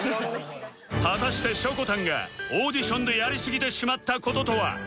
果たしてしょこたんがオーディションでやりすぎてしまった事とは？